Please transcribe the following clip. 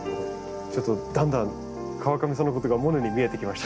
ちょっとだんだん川上さんのことがモネに見えてきました。